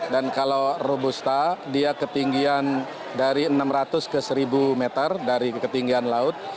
kalau robusta dia ketinggian dari enam ratus ke seribu meter dari ketinggian laut